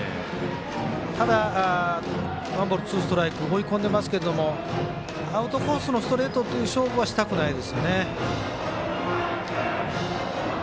ただワンボール、ツーストライク追い込んでますけどアウトコースのストレートという勝負はしたくないですよね。